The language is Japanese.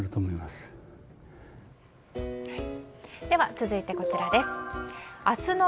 では続いて、こちらです。